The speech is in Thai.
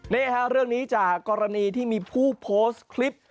นี่ค่ะเรื่องนี้จากกรณีที่มีผู้โพสต์คลิป